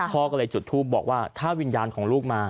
พ่อก็เลยจุดทูปบอกว่าถ้าวิญญาณของลูกมา